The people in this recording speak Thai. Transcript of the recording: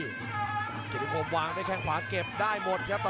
เจอสายครับนี่แหละครับเป็นมวยซ้ายจักครับดักจังหวะดี